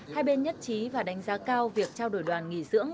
hai bên nhất trí và đánh giá cao việc trao đổi đoàn nghỉ dưỡng